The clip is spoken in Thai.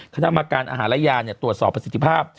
คณะกรรมการอาหารและยาตรวจสอบประสิทธิภาพ